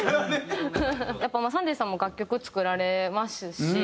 やっぱＳｕｎｄａｙさんも楽曲作られますし。